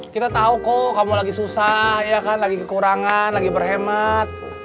kita tahu kok kamu lagi susah ya kan lagi kekurangan lagi berhemat